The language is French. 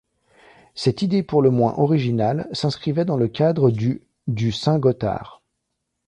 Cette idée pour le moins originale s'inscrivait dans le cadre du du Saint-Gothard.